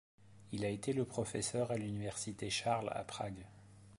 Il a été le professeur à l'université Charles à Prague.